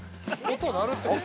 音が鳴るってこと？